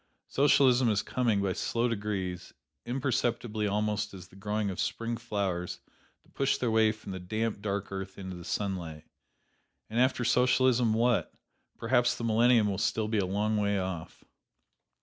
Socialism is coming, by slow degrees, imperceptibly almost as the growing of Spring flowers that push their way from the damp, dark earth into the sunlight. And after Socialism, what? Perhaps the millennium will still be a long way off.